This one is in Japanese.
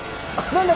何だ？